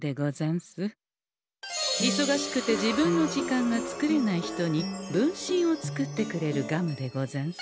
いそがしくて自分の時間が作れない人に分身を作ってくれるガムでござんす。